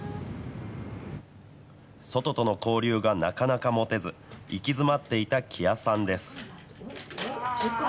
外との交流がなかなか持てず、行き詰まっていた木屋さんです。